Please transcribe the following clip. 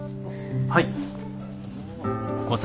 はい！